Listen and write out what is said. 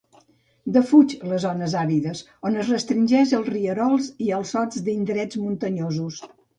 Defuig les zones àrides, on es restringeix als rierols i als sots d'indrets muntanyosos.